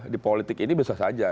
di politik ini bisa saja